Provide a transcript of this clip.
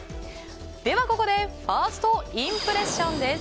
では、ここでファーストインプレッションです。